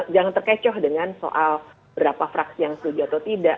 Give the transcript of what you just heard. jangan terkecoh dengan soal berapa fraksi yang setuju atau tidak